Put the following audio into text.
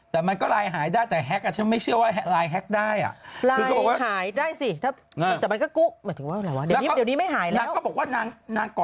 แต่มันก็เป็นอะไรกี่ยากมาก